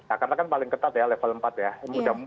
karena kan paling ketat ya level empat ya